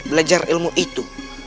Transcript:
belajar ilmu itu